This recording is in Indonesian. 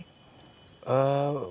mayoritas kita pengunjung